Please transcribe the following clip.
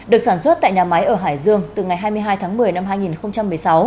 được sản xuất tại nhà máy ở hải dương từ ngày hai mươi hai tháng một mươi năm hai nghìn một mươi sáu